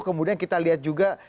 kemudian kita lihat juga